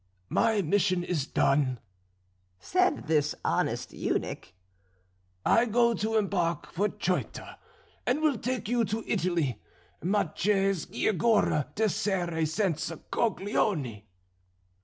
"'My mission is done,' said this honest eunuch; 'I go to embark for Ceuta, and will take you to Italy. _Ma che sciagura d'essere senza coglioni!